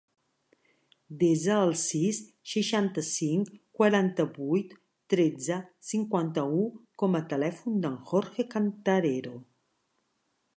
Desa el sis, seixanta-cinc, quaranta-vuit, tretze, cinquanta-u com a telèfon del Jorge Cantarero.